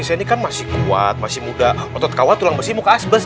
saya ini kan masih kuat masih muda otot kawat tulang besi muka asbest